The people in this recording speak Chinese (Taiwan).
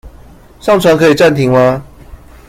上傳可以暫停嗎？